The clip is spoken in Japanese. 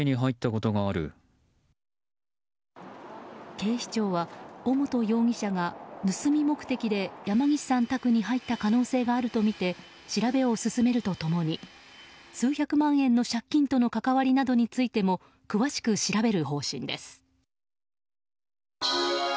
警視庁は尾本容疑者が盗み目的で山岸さん宅に入った可能性があるとみて調べを進めると共に数百万円の借金との関わりなどについても詳しく調べる方針です。